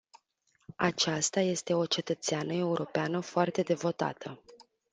Aceasta este o cetățeană europeană foarte devotată.